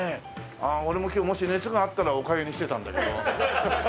俺も今日もし熱があったらおかゆにしてたんだけど。